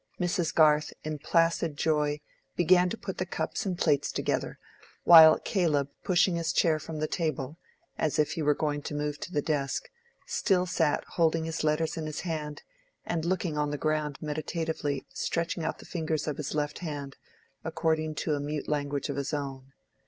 Mrs. Garth, in placid joy, began to put the cups and plates together, while Caleb pushing his chair from the table, as if he were going to move to the desk, still sat holding his letters in his hand and looking on the ground meditatively, stretching out the fingers of his left hand, according to a mute language of his own.